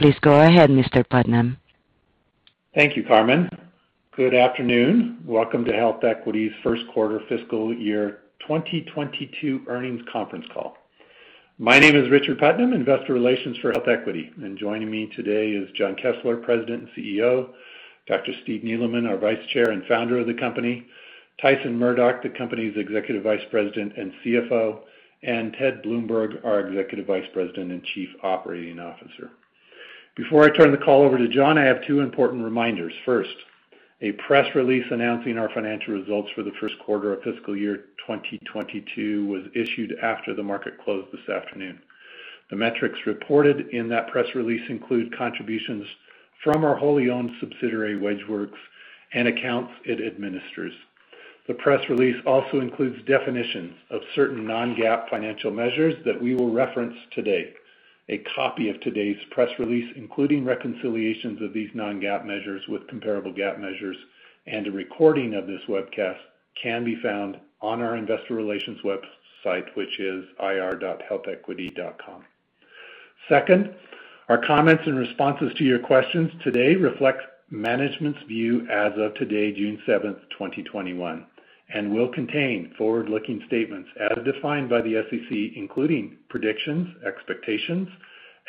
Please go ahead, Mr. Putnam. Thank you, Carmen. Good afternoon. Welcome to HealthEquity's first quarter fiscal year 2022 earnings conference call. My name is Richard Putnam, Investor Relations for HealthEquity, and joining me today is Jon Kessler, President and CEO, Dr. Steve Neeleman, our Vice Chair and Founder of the company, Tyson Murdock, the company's Executive Vice President and CFO, and Ted Bloomberg, our Executive Vice President and Chief Operating Officer. Before I turn the call over to Jon, I have two important reminders. First, a press release announcing our financial results for the first quarter of fiscal year 2022 was issued after the market closed this afternoon. The metrics reported in that press release include contributions from our wholly owned subsidiary, WageWorks, and accounts it administers. The press release also includes definitions of certain non-GAAP financial measures that we will reference today. A copy of today's press release, including reconciliations of these non-GAAP measures with comparable GAAP measures, and a recording of this webcast can be found on our investor relations website, which is ir.healthequity.com. Second, our comments and responses to your questions today reflect management's view as of today, June 7th, 2021, and will contain forward-looking statements as defined by the SEC, including predictions, expectations,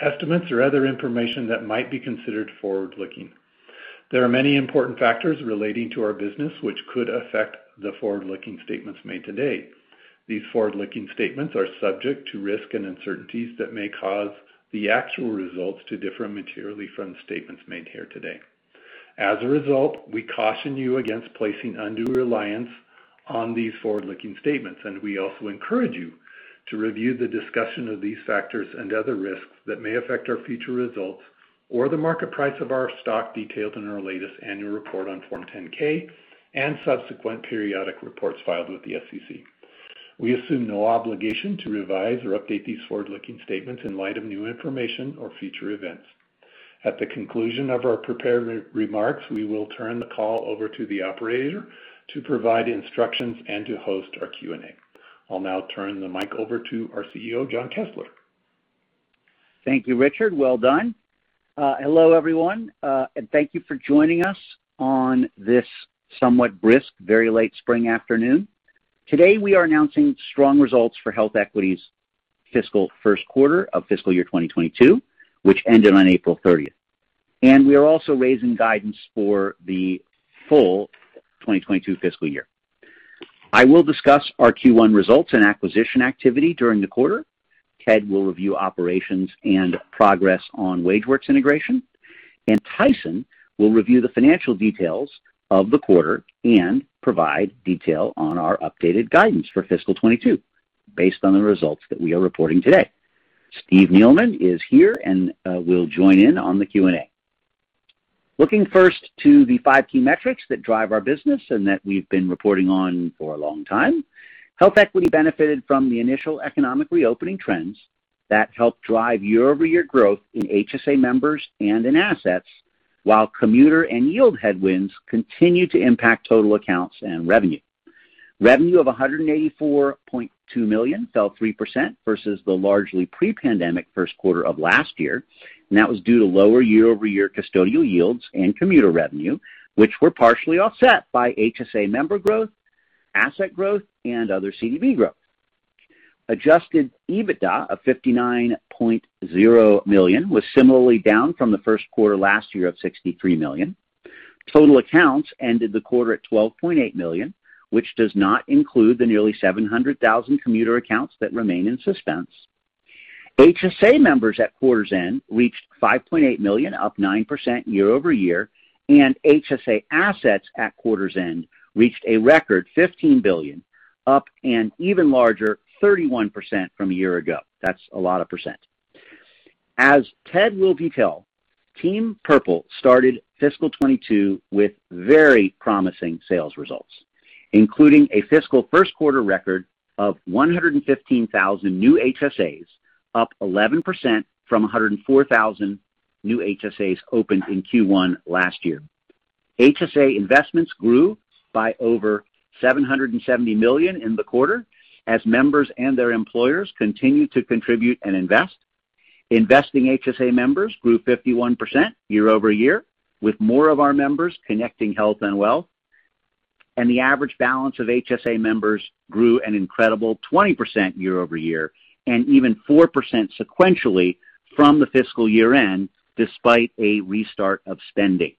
estimates, or other information that might be considered forward-looking. There are many important factors relating to our business, which could affect the forward-looking statements made today. These forward-looking statements are subject to risks and uncertainties that may cause the actual results to differ materially from the statements made here today. As a result, we caution you against placing undue reliance on these forward-looking statements, and we also encourage you to review the discussion of these factors and other risks that may affect our future results or the market price of our stock detailed in our latest annual report on Form 10-K and subsequent periodic reports filed with the SEC. We assume no obligation to revise or update these forward-looking statements in light of new information or future events. At the conclusion of our prepared remarks, we will turn the call over to the operator to provide instructions and to host our Q&A. I'll now turn the mic over to our CEO, Jon Kessler. Thank you, Richard. Well done. Hello, everyone, and thank you for joining us on this somewhat brisk, very late spring afternoon. Today, we are announcing strong results for HealthEquity's fiscal first quarter of fiscal year 2022, which ended on April 30th, and we are also raising guidance for the full 2022 fiscal year. I will discuss our Q1 results and acquisition activity during the quarter. Ted will review operations and progress on WageWorks integration, and Tyson will review the financial details of the quarter and provide detail on our updated guidance for fiscal 2022 based on the results that we are reporting today. Steve Neeleman is here and will join in on the Q&A. Looking first to the five key metrics that drive our business and that we've been reporting on for a long time. HealthEquity benefited from the initial economic reopening trends that helped drive year-over-year growth in HSA members and in assets, while commuter and yield headwinds continued to impact total accounts and revenue. Revenue of $184.2 million fell 3% versus the largely pre-pandemic first quarter of last year. That was due to lower year-over-year custodial yields and commuter revenue, which were partially offset by HSA member growth, asset growth, and other CDB growth. Adjusted EBITDA of $59.0 million was similarly down from the first quarter last year of $63 million. Total accounts ended the quarter at 12.8 million, which does not include the nearly 700,000 commuter accounts that remain in suspense. HSA members at quarter's end reached 5.8 million, up 9% year-over-year, and HSA assets at quarter's end reached a record $15 billion, up an even larger 31% from a year ago. That's a lot of percent. As Ted will detail, Team Purple started fiscal 2022 with very promising sales results, including a fiscal first quarter record of 115,000 new HSAs, up 11% from 104,000 new HSAs opened in Q1 last year. HSA investments grew by over $770 million in the quarter as members and their employers continued to contribute and invest. Investing HSA members grew 51% year-over-year, with more of our members connecting health and wealth. The average balance of HSA members grew an incredible 20% year-over-year and even 4% sequentially from the fiscal year-end, despite a restart of spending.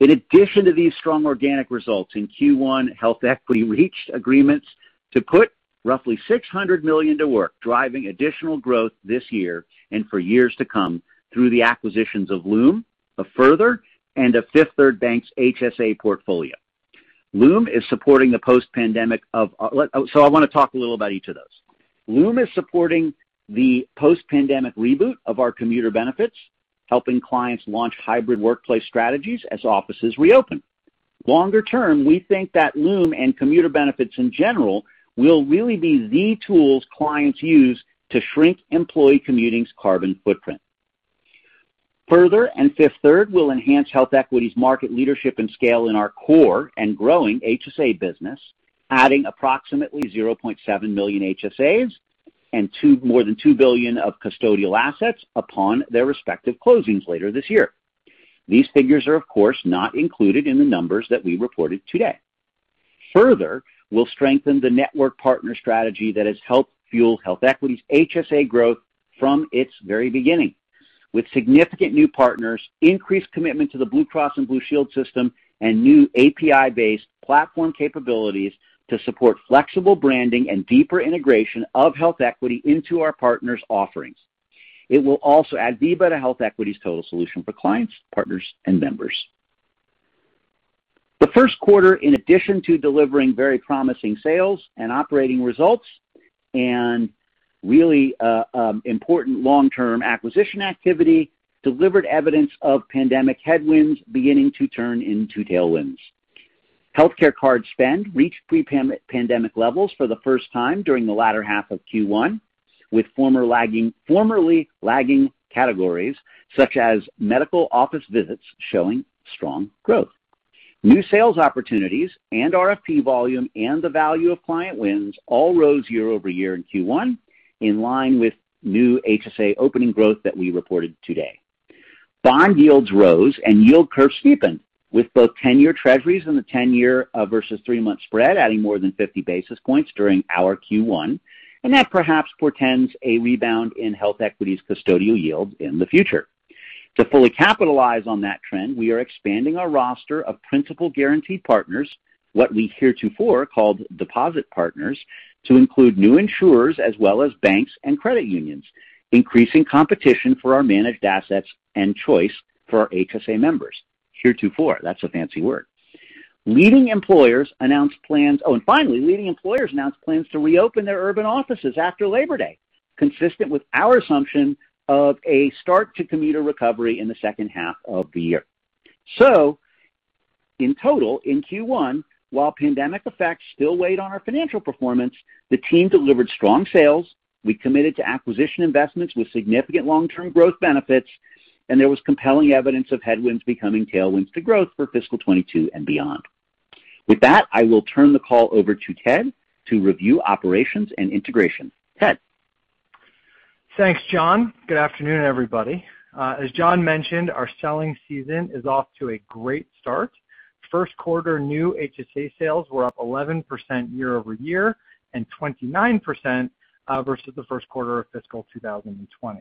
In addition to these strong organic results in Q1, HealthEquity reached agreements to put roughly $600 million to work, driving additional growth this year and for years to come through the acquisitions of Luum, Further, and Fifth Third Bank's HSA portfolio. I want to talk a little about each of those. Luum is supporting the post-pandemic reboot of our commuter benefits, helping clients launch hybrid workplace strategies as offices reopen. Longer term, we think that Luum and commuter benefits in general will really be the tools clients use to shrink employee commuting's carbon footprint. Further, and Fifth Third will enhance HealthEquity's market leadership and scale in our core and growing HSA business, adding approximately 0.7 million HSAs and more than $2 billion of custodial assets upon their respective closings later this year. These figures are, of course, not included in the numbers that we reported today. Further, we'll strengthen the network partner strategy that has helped fuel HealthEquity's HSA growth from its very beginning. With significant new partners, increased commitment to the Blue Cross and Blue Shield system, and new API-based platform capabilities to support flexible branding and deeper integration of HealthEquity into our partners' offerings. It will also add deeper to HealthEquity's total solution for clients, partners, and members. The first quarter, in addition to delivering very promising sales and operating results and really important long-term acquisition activity, delivered evidence of pandemic headwinds beginning to turn into tailwinds. Healthcare card spend reached pre-pandemic levels for the first time during the latter half of Q1, with formerly lagging categories such as medical office visits showing strong growth. New sales opportunities and RFP volume and the value of client wins all rose year-over-year in Q1, in line with new HSA opening growth that we reported today. Bond yields rose and yield curve steepened, with both 10-year treasuries and the 10-year versus three-month spread adding more than 50 basis points during our Q1, and that perhaps portends a rebound in HealthEquity's custodial yield in the future. To fully capitalize on that trend, we are expanding our roster of principal guaranteed partners, what we heretofore called deposit partners, to include new insurers as well as banks and credit unions, increasing competition for our managed assets and choice for our HSA members. Heretofore, that's a fancy word. Finally, leading employers announced plans to reopen their urban offices after Labor Day, consistent with our assumption of a start to commuter recovery in the second half of the year. In total, in Q1, while pandemic effects still weighed on our financial performance, the team delivered strong sales, we committed to acquisition investments with significant long-term growth benefits, and there was compelling evidence of headwinds becoming tailwinds to growth for fiscal 2022 and beyond. With that, I will turn the call over to Ted to review operations and integration. Ted? Thanks, Jon. Good afternoon, everybody. As Jon mentioned, our selling season is off to a great start. First quarter new HSA sales were up 11% year-over-year and 29% versus the first quarter of fiscal 2020.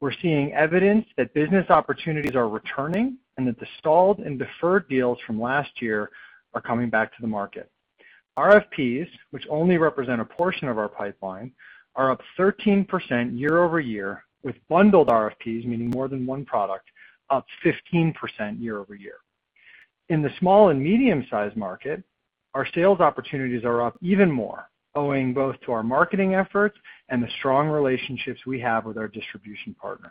We're seeing evidence that business opportunities are returning and that the stalled and deferred deals from last year are coming back to the market. RFPs, which only represent a portion of our pipeline, are up 13% year-over-year, with bundled RFPs, meaning more than one product, up 15% year-over-year. In the small and medium-sized market, our sales opportunities are up even more, owing both to our marketing efforts and the strong relationships we have with our distribution partners.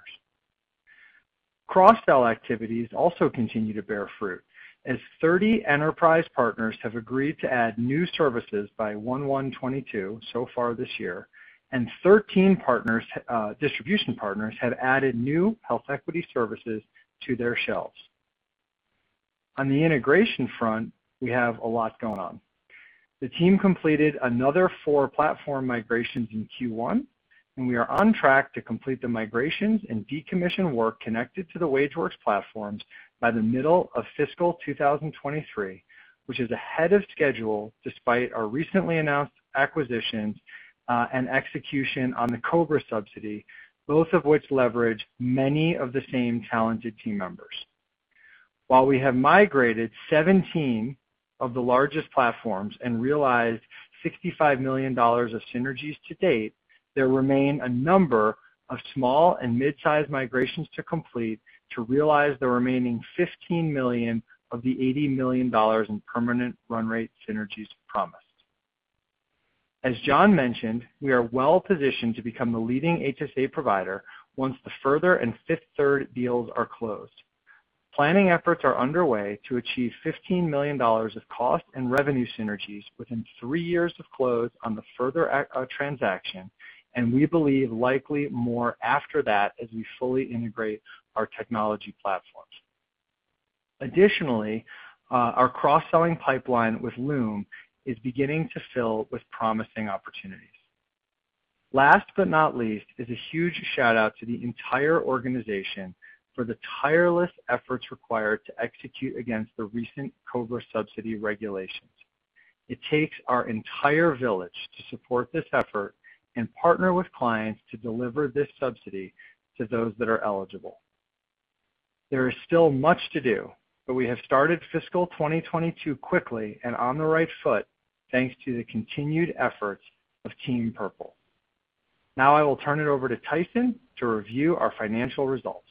Cross-sell activities also continue to bear fruit, as 30 enterprise partners have agreed to add new services by 1/1/2022 so far this year, and 13 distribution partners have added new HealthEquity services to their shelves. On the integration front, we have a lot going on. The team completed another four platform migrations in Q1, and we are on track to complete the migrations and decommission work connected to the WageWorks platforms by the middle of fiscal 2023, which is ahead of schedule despite our recently announced acquisitions, and execution on the COBRA subsidy, both of which leverage many of the same talented team members. While we have migrated 17 of the largest platforms and realized $65 million of synergies to date, there remain a number of small and mid-size migrations to complete to realize the remaining $15 million of the $80 million in permanent run rate synergies promised. As Jon mentioned, we are well positioned to become the leading HSA provider once the Further and Fifth Third deals are closed. Planning efforts are underway to achieve $15 million of cost and revenue synergies within three years of close on the Further transaction, and we believe likely more after that as we fully integrate our technology platforms. Additionally, our cross-selling pipeline with Luum is beginning to fill with promising opportunities. Last but not least is a huge shout-out to the entire organization for the tireless efforts required to execute against the recent COBRA subsidy regulations. It takes our entire village to support this effort and partner with clients to deliver this subsidy to those that are eligible. There is still much to do, but we have started fiscal 2022 quickly and on the right foot, thanks to the continued efforts of Team Purple. Now I will turn it over to Tyson to review our financial results.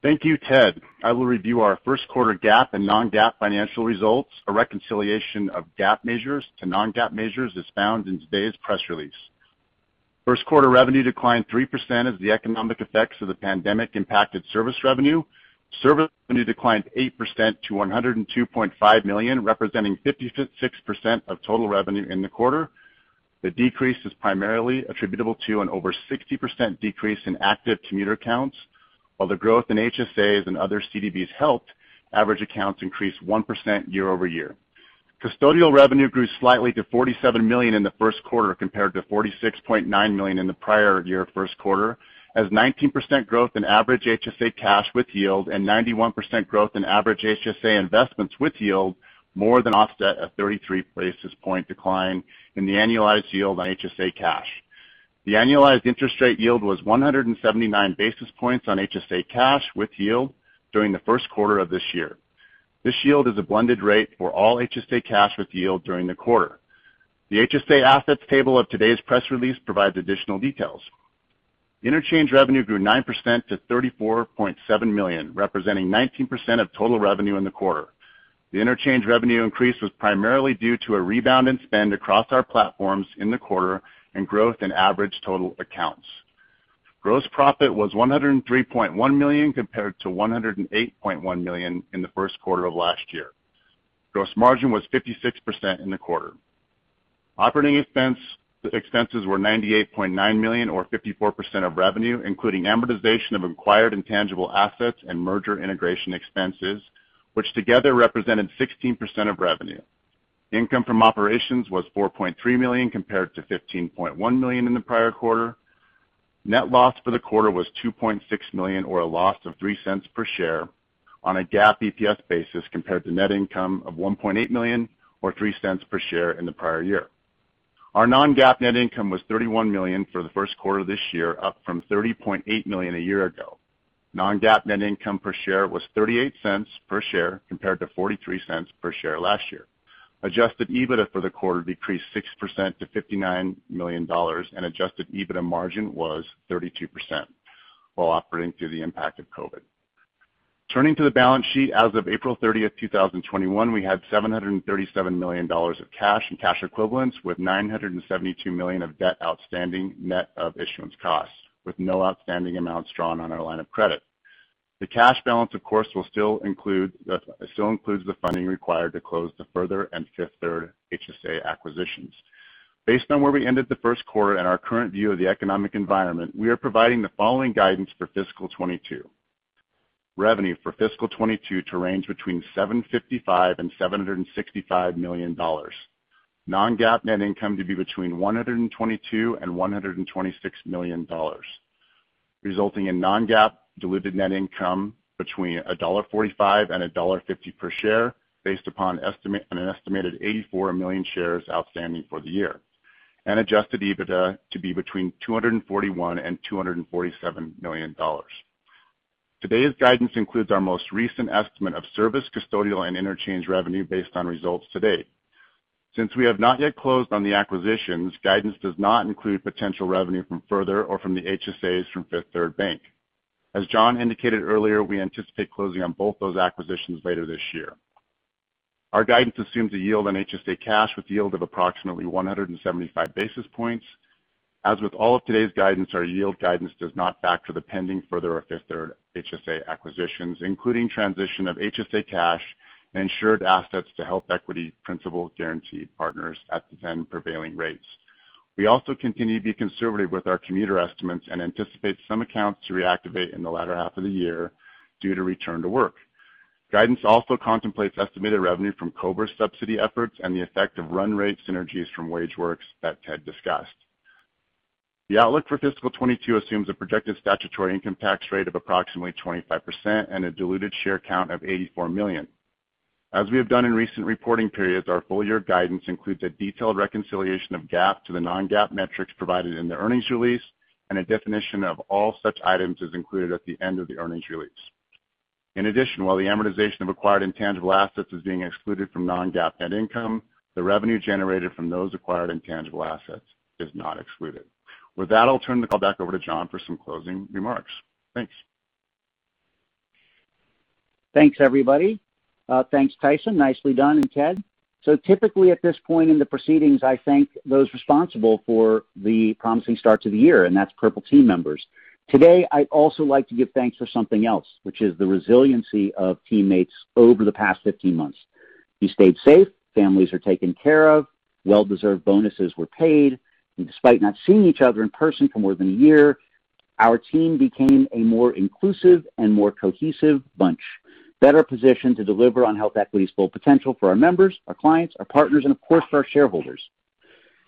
Thank you, Ted. I will review our first quarter GAAP and non-GAAP financial results. A reconciliation of GAAP measures to non-GAAP measures is found in today's press release. First quarter revenue declined 3% as the economic effects of the pandemic impacted service revenue. Service revenue declined 8% to $102.5 million, representing 56% of total revenue in the quarter. The decrease is primarily attributable to an over 60% decrease in active commuter accounts, while the growth in HSAs and other CDBs helped average accounts increase 1% year-over-year. Custodial revenue grew slightly to $47 million in the first quarter compared to $46.9 million in the prior year first quarter, as 19% growth in average HSA cash with yield and 91% growth in average HSA investments with yield more than offset a 33 basis point decline in the annualized yield on HSA cash. The annualized interest rate yield was 179 basis points on HSA cash with yield during the first quarter of this year. This yield is a blended rate for all HSA cash with yield during the quarter. The HSA assets table of today's press release provides additional details. Interchange revenue grew 9% to $34.7 million, representing 19% of total revenue in the quarter. The interchange revenue increase was primarily due to a rebound in spend across our platforms in the quarter and growth in average total accounts. Gross profit was $103.1 million compared to $108.1 million in the first quarter of last year. Gross margin was 56% in the quarter. Operating expenses were $98.9 million or 54% of revenue, including amortization of acquired intangible assets and merger integration expenses, which together represented 16% of revenue. Income from operations was $4.3 million compared to $15.1 million in the prior quarter. Net loss for the quarter was $2.6 million or a loss of $0.03 per share on a GAAP EPS basis compared to net income of $1.8 million or $0.03 per share in the prior year. Our non-GAAP net income was $31 million for the first quarter of this year, up from $30.8 million a year ago. Non-GAAP net income per share was $0.38 per share compared to $0.43 per share last year. Adjusted EBITDA for the quarter decreased 6% to $59 million, and adjusted EBITDA margin was 32%, while operating through the impact of COVID. Turning to the balance sheet, as of April 30th, 2021, we had $737 million of cash and cash equivalents with $972 million of debt outstanding net of issuance costs, with no outstanding amounts drawn on our line of credit. The cash balance, of course, still includes the funding required to close the Further and Fifth Third HSA acquisitions. Based on where we ended the first quarter and our current view of the economic environment, we are providing the following guidance for fiscal 2022. Revenue for fiscal 2022 to range between $755 million and $765 million. Non-GAAP net income to be between $122 million and $126 million, resulting in non-GAAP diluted net income between $1.45 and $1.50 per share based upon an estimated 84 million shares outstanding for the year. Adjusted EBITDA to be between $241 million and $247 million. Today's guidance includes our most recent estimate of service, custodial, and interchange revenue based on results to date. Since we have not yet closed on the acquisitions, guidance does not include potential revenue from Further or from the HSAs from Fifth Third Bank. As Jon indicated earlier, we anticipate closing on both those acquisitions later this year. Our guidance assumes a yield on HSA cash with yield of approximately 175 basis points. As with all of today's guidance, our yield guidance does not factor the pending Further or Fifth Third HSA acquisitions, including transition of HSA cash and insured assets to HealthEquity principal guaranteed partners at the then prevailing rates. We also continue to be conservative with our commuter estimates and anticipate some accounts to reactivate in the latter half of the year due to return to work. Guidance also contemplates estimated revenue from COBRA subsidy efforts and the effect of run rate synergies from WageWorks that Ted discussed. The outlook for fiscal 2022 assumes a projected statutory income tax rate of approximately 25% and a diluted share count of 84 million. As we have done in recent reporting periods, our full year guidance includes a detailed reconciliation of GAAP to the non-GAAP metrics provided in the earnings release, and a definition of all such items is included at the end of the earnings release. In addition, while the amortization of acquired intangible assets is being excluded from non-GAAP net income, the revenue generated from those acquired intangible assets is not excluded. With that, I'll turn the call back over to Jon for some closing remarks. Thanks. Thanks, everybody. Thanks, Tyson. Nicely done. Ted. Typically at this point in the proceedings, I thank those responsible for the promising start to the year, and that's Team Purple members. Today, I'd also like to give thanks for something else, which is the resiliency of teammates over the past 15 months. We stayed safe. Families are taken care of. Well-deserved bonuses were paid. Despite not seeing each other in person for more than a year, our team became a more inclusive and more cohesive bunch, better positioned to deliver on HealthEquity's full potential for our members, our clients, our partners, and of course, our shareholders.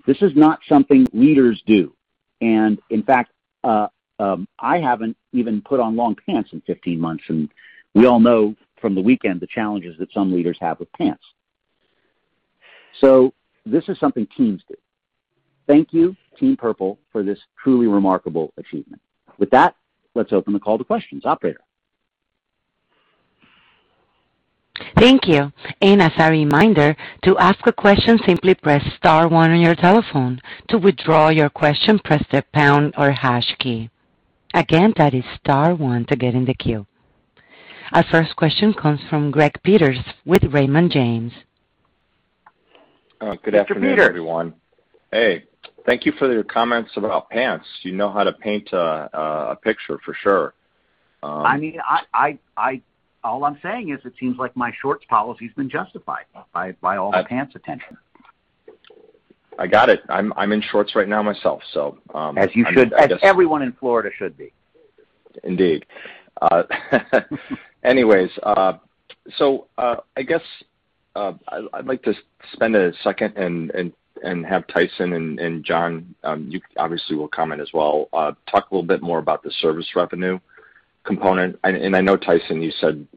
This is not something leaders do. In fact, I haven't even put on long pants in 15 months, and we all know from the weekend the challenges that some leaders have with pants. This is something teams do. Thank you, Team Purple, for this truly remarkable achievement. With that, let's open the call to questions. Operator? Thank you. As a reminder, to ask a question, simply press star one on your telephone. To withdraw your question, press the pound or hash key. Again, that is star one to get in the queue. Our first question comes from Greg Peters with Raymond James. Good afternoon, everyone. Mr. Peters. Hey. Thank you for your comments about pants. You know how to paint a picture for sure. I mean, all I'm saying is it seems like my shorts policy's been justified by all of pants' attention. I got it. I'm in shorts right now myself. As you should. As everyone in Florida should be. Indeed. Anyways, I guess I'd like to spend a second and have Tyson and Jon, you obviously will comment as well, talk a little bit more about the service revenue component. I know, Tyson,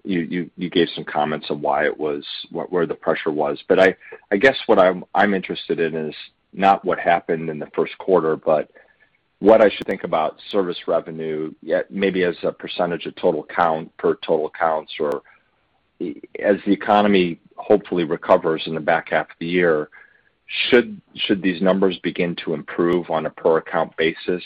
you gave some comments on where the pressure was. I guess what I'm interested in is not what happened in the first quarter, but what I should think about service revenue maybe as a percentage of total count per total counts, or as the economy hopefully recovers in the back half of the year. Should these numbers begin to improve on a per account basis?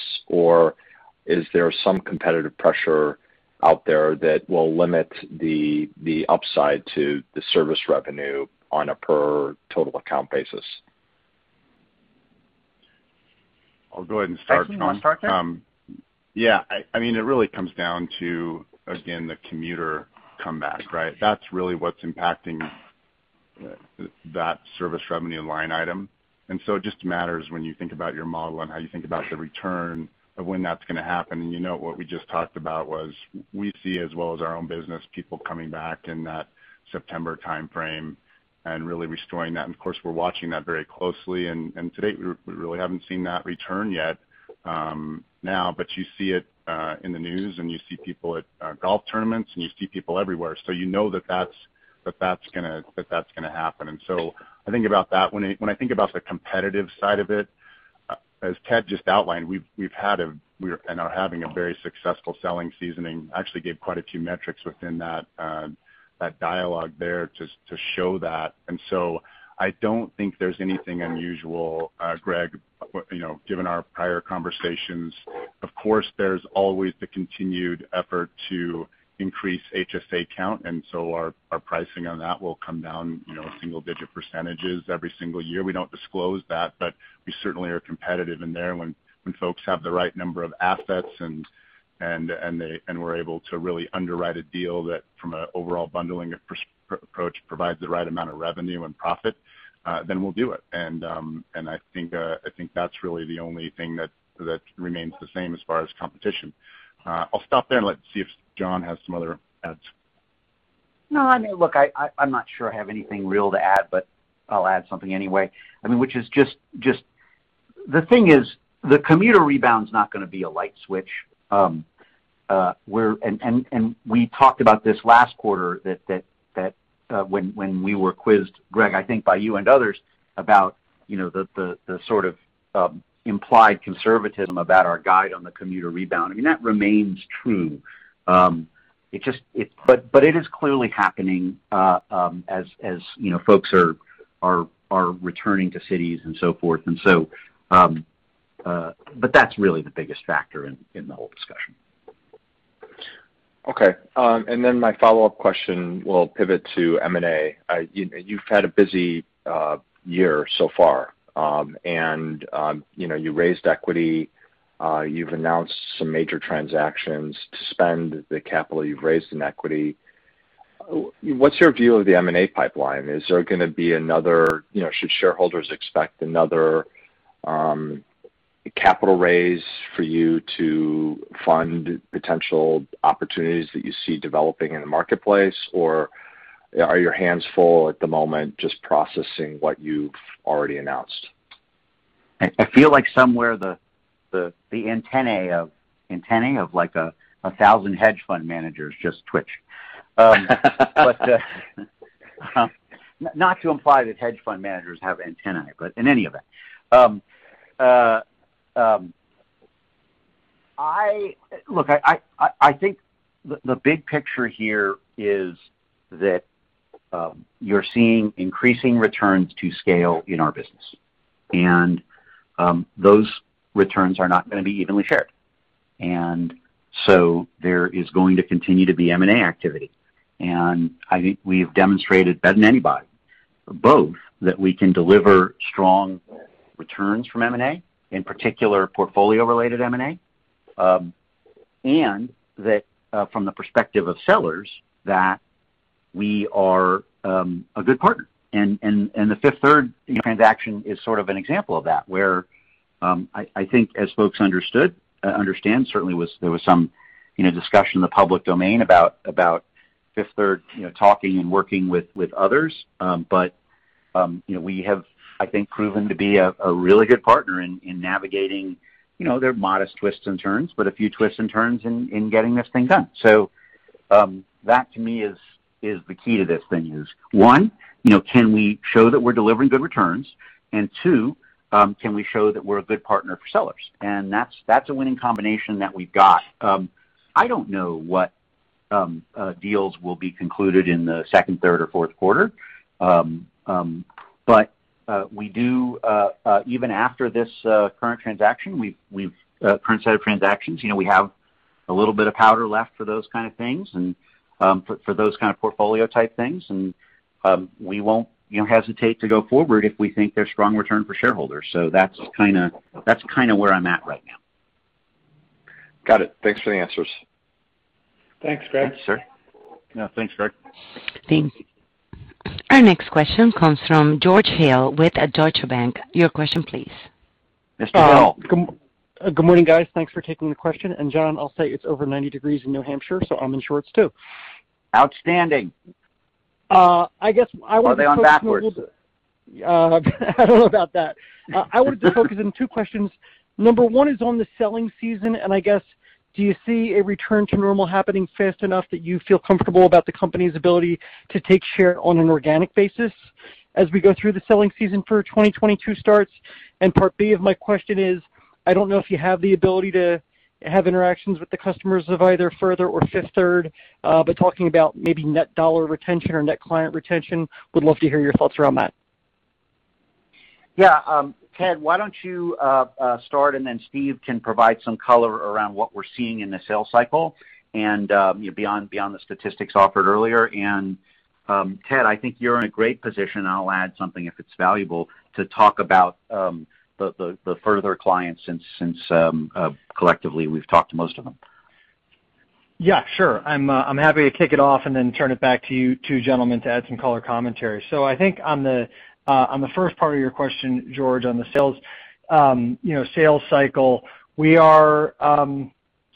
Is there some competitive pressure out there that will limit the upside to the service revenue on a per total account basis? I'll go ahead and start, Jon. Tyson, you want to start that? Yeah. It really comes down to, again, the commuter comeback, right? That's really what's impacting that service revenue line item. It just matters when you think about your model and how you think about the return of when that's going to happen. What we just talked about was we see as well as our own business people coming back in that September timeframe and really restoring that. Of course, we're watching that very closely. To date, we really haven't seen that return yet now, but you see it in the news, and you see people at golf tournaments, and you see people everywhere. You know that that's going to happen. I think about that one. When I think about the competitive side of it, as Ted just outlined, we're having a very successful selling season. I actually gave quite a few metrics within that dialogue there to show that. I don't think there's anything unusual, Greg, given our prior conversations. Of course, there's always the continued effort to increase HSA count. Our pricing on that will come down single-digit percentages every single year. We don't disclose that, but we certainly are competitive in there when folks have the right number of assets and we're able to really underwrite a deal that from an overall bundling approach provides the right amount of revenue and profit, then we'll do it. I think that's really the only thing that remains the same as far as competition. I'll stop there and let's see if Jon has some other adds. No, I mean, look, I'm not sure I have anything real to add, but I'll add something anyway. We talked about this last quarter when we were quizzed, Greg, I think by you and others about the sort of implied conservatism about our guide on the commuter rebound. That remains true. It is clearly happening as folks are returning to cities and so forth. That's really the biggest factor in the whole discussion. Okay. My follow-up question will pivot to M&A. You've had a busy year so far. You've raised equity. You've announced some major transactions to spend the capital you've raised in equity. What's your view of the M&A pipeline? Should shareholders expect another capital raise for you to fund potential opportunities that you see developing in the marketplace? Are your hands full at the moment just processing what you've already announced? I feel like somewhere the antennae of like 1,000 hedge fund managers just twitched. Not to imply that hedge fund managers have antennae, but in any event. Look, I think the big picture here is that you're seeing increasing returns to scale in our business, and those returns are not going to be evenly shared. There is going to continue to be M&A activity. I think we have demonstrated better than anybody, both that we can deliver strong returns from M&A, in particular portfolio-related M&A. That from the perspective of sellers, that we are a good partner. The Fifth Third transaction is sort of an example of that, where I think as folks understand, certainly there was some discussion in the public domain about Fifth Third talking and working with others. We have, I think, proven to be a really good partner in navigating their modest twists and turns, but a few twists and turns in getting this thing done. That to me is the key to this thing, is one, can we show that we're delivering good returns? Two, can we show that we're a good partner for sellers? That's a winning combination that we've got. I don't know what deals will be concluded in the second, third, or fourth quarter. Even after this current transaction, current set of transactions, we have a little bit of powder left for those kind of things and for those kind of portfolio-type things. We won't hesitate to go forward if we think there's strong return for shareholders. That's kind of where I'm at right now. Got it. Thanks for the answers. Thanks, Greg. Thanks, sir. Yeah, thanks, Greg. Thank you. Our next question comes from George Hill with Deutsche Bank. Your question, please. Mr. Hill. Good morning, guys. Thanks for taking the question. Jon, I'll say it's over 90 degrees in New Hampshire, so I'm in shorts, too. Outstanding. I guess I wanted to focus a little bit. Are they on backwards? I don't know about that. I wanted to focus on two questions. Number one is on the selling season, and I guess, do you see a return to normal happening fast enough that you feel comfortable about the company's ability to take share on an organic basis as we go through the selling season for 2022 starts? Part B of my question is, I don't know if you have the ability to have interactions with the customers of either Further or Fifth Third, but talking about maybe net dollar retention or net client retention, would love to hear your thoughts around that. Yeah. Ted, why don't you start and then Steve can provide some color around what we're seeing in the sales cycle and beyond the statistics offered earlier. Ted, I think you're in a great position, I'll add something if it's valuable, to talk about the Further clients since, collectively, we've talked to most of them. Yeah, sure. I'm happy to kick it off and then turn it back to you two gentlemen to add some color commentary. I think on the first part of your question, George, on the sales cycle, we are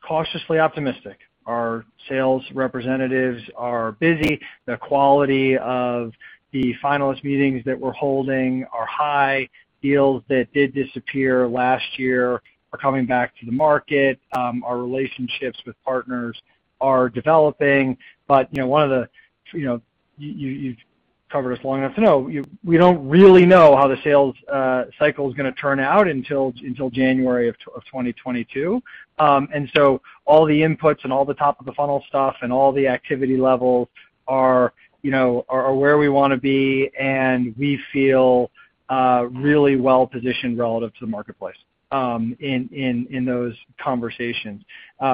cautiously optimistic. Our sales representatives are busy. The quality of the finalist meetings that we're holding are high. Deals that did disappear last year are coming back to the market. Our relationships with partners are developing. You've covered us long enough to know, we don't really know how the sales cycle's going to turn out until January of 2022. All the inputs and all the top of the funnel stuff and all the activity levels are where we want to be, and we feel really well-positioned relative to the marketplace in those conversations.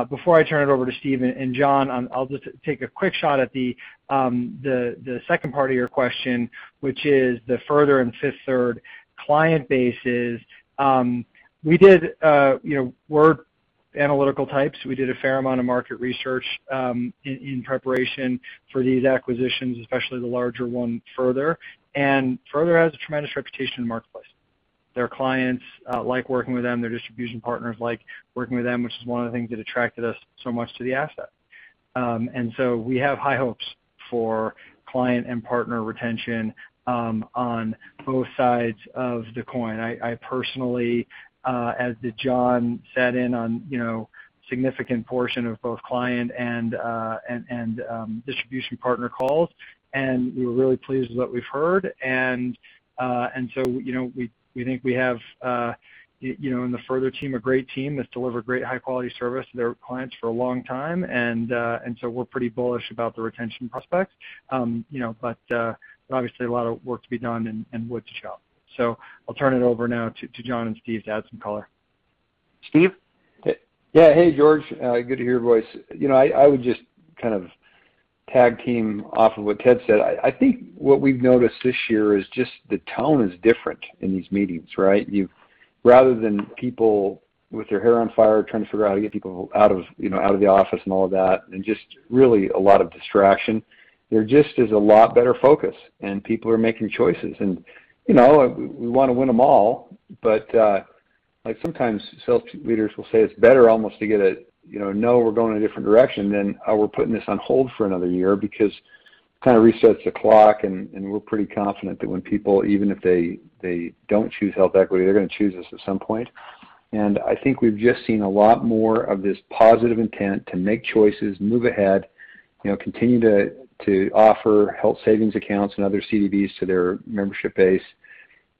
Before I turn it over to Steve and Jon, I'll just take a quick shot at the second part of your question, which is the Further and Fifth Third client bases. We're analytical types. We did a fair amount of market research in preparation for these acquisitions, especially the larger one, Further. Further has a tremendous reputation in the marketplace. Their clients like working with them, their distribution partners like working with them, which is one of the things that attracted us so much to the asset. So we have high hopes for client and partner retention on both sides of the coin. I personally, as did Jon, sat in on significant portion of both client and distribution partner calls, and we were really pleased with what we've heard. We think we have, in the Further team, a great team that's delivered great high-quality service to their clients for a long time. We're pretty bullish about the retention prospects. Obviously a lot of work to be done and wood to chop. I'll turn it over now to Jon and Steve to add some color. Steve? Yeah. Hey, George. Good to hear your voice. I would just kind of tag team off of what Ted said. I think what we've noticed this year is just the tone is different in these meetings, right? Rather than people with their hair on fire trying to figure out how to get people out of the office and all of that, and just really a lot of distraction, there just is a lot better focus, and people are making choices. We want to win them all. Sometimes sales leaders will say it's better almost to get a, "No, we're going a different direction," than a, "We're putting this on hold for another year," because it kind of resets the clock, and we're pretty confident that when people, even if they don't choose HealthEquity, they're going to choose us at some point. I think we've just seen a lot more of this positive intent to make choices, move ahead, continue to offer Health Savings Accounts and other CDBs to their membership base.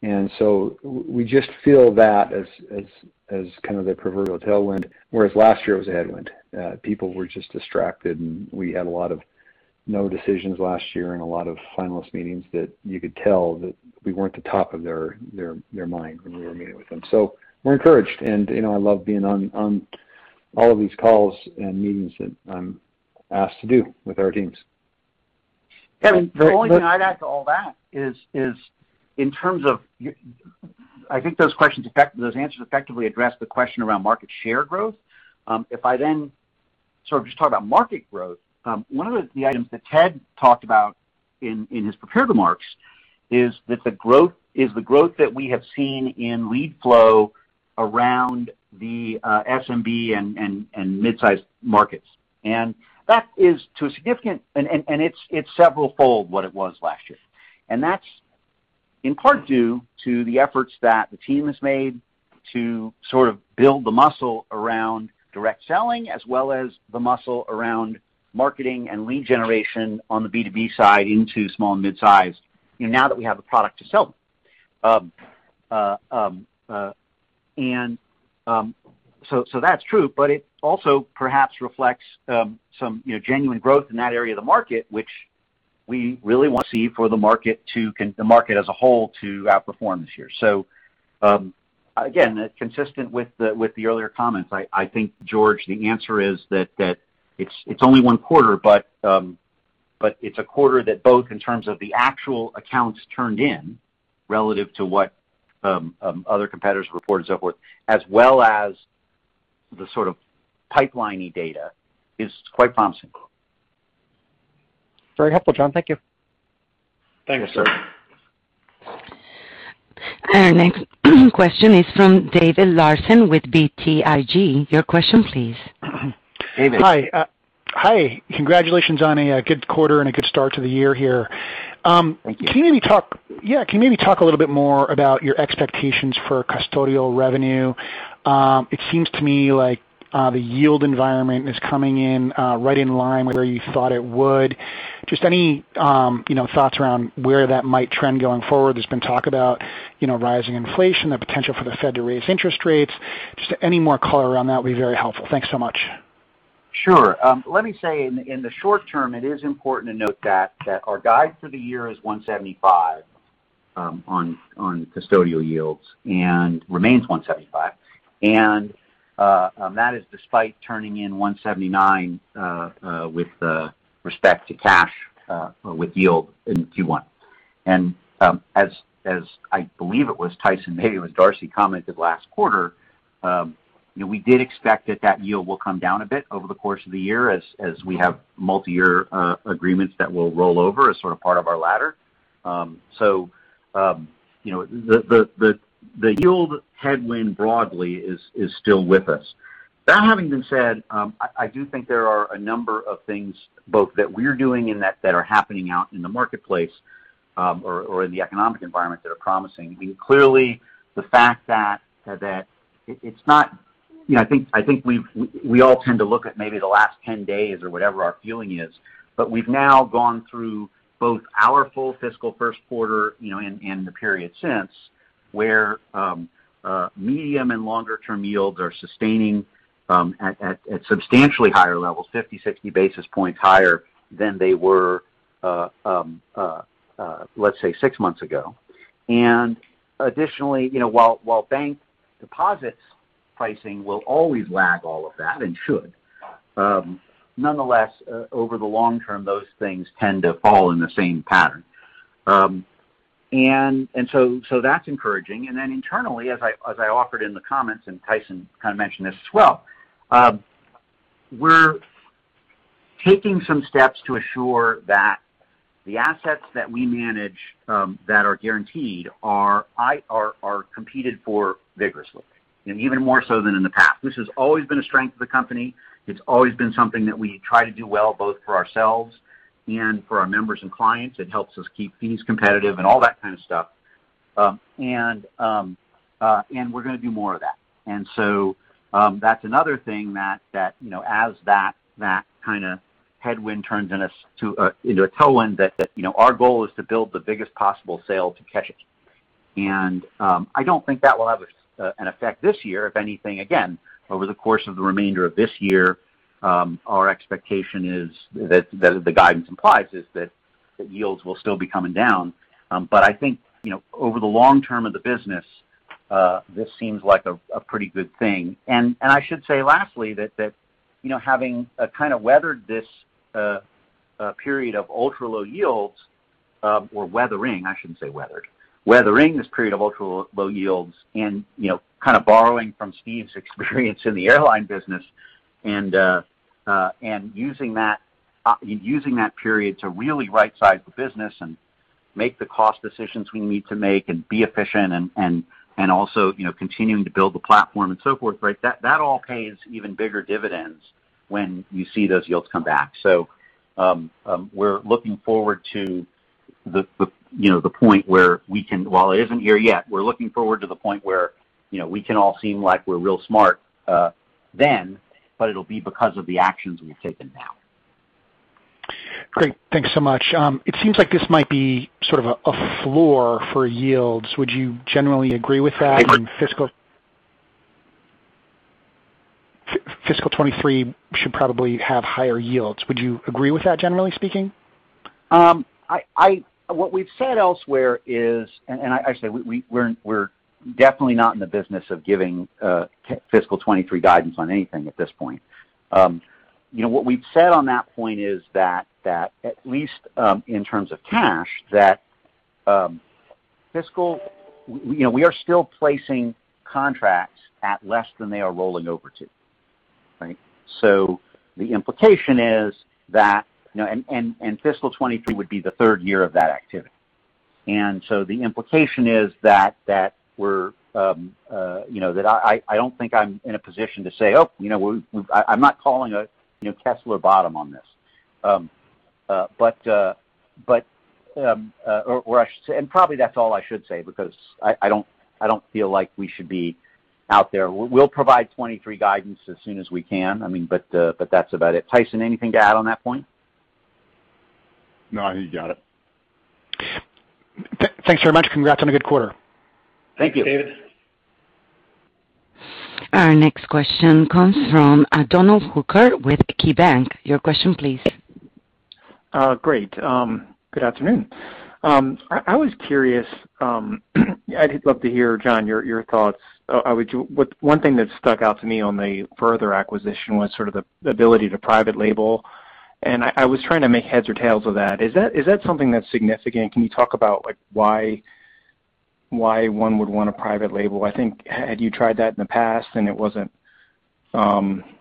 We just feel that as kind of the proverbial tailwind, whereas last year it was a headwind. People were just distracted, and we had a lot of no decisions last year and a lot of finalist meetings that you could tell that we weren't at the top of their mind when we were meeting with them. We're encouraged, and I love being on all of these calls and meetings that I'm asked to do with our teams. The only thing I'd add to all that is, I think those answers effectively address the question around market share growth. I then sort of just talk about market growth, one of the items that Ted talked about in his prepared remarks is the growth that we have seen in lead flow around the SMB and mid-size markets. It's severalfold what it was last year. That's in part due to the efforts that the team has made to sort of build the muscle around direct selling as well as the muscle around marketing and lead generation on the B2B side into small and mid-size, now that we have a product to sell them. That's true, but it also perhaps reflects some genuine growth in that area of the market, which we really want to see for the market as a whole to outperform this year. Again, consistent with the earlier comments, I think, George, the answer is that it's only one quarter, But it's a quarter that both in terms of the actual accounts turned in relative to what other competitors report and so forth, as well as the sort of pipeline-y data is quite promising. Very helpful, Jon. Thank you. Thank you, sir. Our next question is from David Larsen with BTIG. Your question, please. David. Hi. Congratulations on a good quarter and a good start to the year here. Can you maybe talk a little bit more about your expectations for custodial revenue? It seems to me like the yield environment is coming in right in line with where you thought it would. Just any thoughts around where that might trend going forward. There's been talk about rising inflation, the potential for the Fed to raise interest rates, just any more color on that would be very helpful. Thanks so much. Sure. Let me say, in the short term, it is important to note that our guide for the year is 175 on custodial yields and remains 175. That is despite turning in 179 with respect to cash with yield in Q1. As I believe it was Tyson, maybe it was Darcy, commented last quarter, we did expect that yield will come down a bit over the course of the year as we have multi-year agreements that will roll over as sort of part of our ladder. The yield headwind broadly is still with us. That having been said, I do think there are a number of things both that we're doing and that are happening out in the marketplace, or the economic environment that are promising. I think we all tend to look at maybe the last 10 days or whatever our feeling is, but we've now gone through both our full fiscal first quarter, and the period since, where medium and longer term yields are sustaining at substantially higher levels, 50 basis points, 60 basis points higher than they were let's say six months ago. Additionally, while bank deposits pricing will always lag all of that and should, nonetheless, over the long term, those things tend to fall in the same pattern. That's encouraging. Internally, as I offered in the comments and Tyson kind of mentioned this as well, we're taking some steps to assure that the assets that we manage that are guaranteed are competed for vigorously, and even more so than in the past. This has always been a strength of the company. It's always been something that we try to do well, both for ourselves and for our members and clients. It helps us keep fees competitive and all that kind of stuff. We're going to do more of that. That's another thing that as that kind of headwind turns into a tailwind, that our goal is to build the biggest possible sail to catch it. I don't think that will have an effect this year. If anything, again, over the course of the remainder of this year, our expectation is that the guidance implies is that yields will still be coming down. I think, over the long term of the business, this seems like a pretty good thing. I should say lastly, that having kind of weathered this period of ultra low yields, or weathering, I shouldn't say weathered. Weathering this period of ultra low yields and kind of borrowing from Steve's experience in the airline business and using that period to really right size the business and make the cost decisions we need to make and be efficient and also continuing to build the platform and so forth, that all pays even bigger dividends when you see those yields come back. We're looking forward to the point where we can, while it isn't here yet, we're looking forward to the point where we can all seem like we're real smart then, but it'll be because of the actions we've taken now. Great. Thanks so much. It seems like this might be sort of a floor for yields. Would you generally agree with that? I do. Fiscal 2023 should probably have higher yields. Would you agree with that, generally speaking? What we've said elsewhere is, and I say, we're definitely not in the business of giving fiscal 2023 guidance on anything at this point. What we've said on that point is that at least in terms of cash, that fiscal, we are still placing contracts at less than they are rolling over to, right? Fiscal 2023 would be the third year of that activity. The implication is that I don't think I'm in a position to say, oh, I'm not calling a Kessler bottom on this. Or I should say, and probably that's all I should say because I don't feel like we should be out there. We'll provide 2023 guidance as soon as we can. That's about it. Tyson, anything to add on that point? No, you got it. Thanks very much. Congrats on a good quarter. Thank you, David. Our next question comes from Donald Hooker with KeyBanc. Your question please. Great. Good afternoon. I was curious. I'd love to hear, Jon, your thoughts. One thing that stuck out to me on the Further acquisition was sort of the ability to private label, I was trying to make heads or tails of that. Is that something that's significant? Can you talk about why one would want a private label? I think, had you tried that in the past.